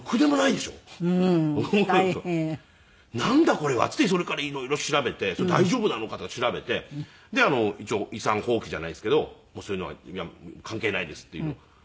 これはっていってそれから色々調べて大丈夫なのかとか調べてで一応遺産放棄じゃないですけどそういうのは関係ないですっていう放棄して。